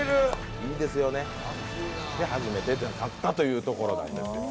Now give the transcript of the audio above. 初めて勝ったというところなんですよ。